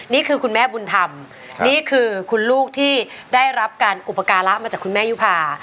นี่คือคุณแม่บุญธรรมนี่คือคุณลูกที่ได้รับการอุปการะมาจากคุณแม่ยุภา